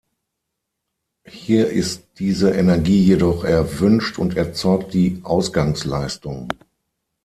Hier ist diese Energie jedoch erwünscht und erzeugt die Ausgangsleistung.